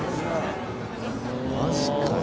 ・マジかよ